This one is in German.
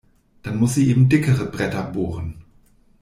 Dann muss sie eben dickere Bretter bohren.